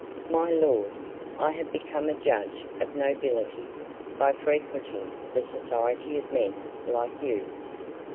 "My lord, I have become a judge of nobility by frequenting the society of men like you."